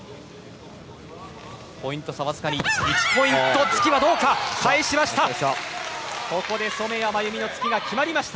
ポイント差、わずかに１ポイント突きはどうか返しました。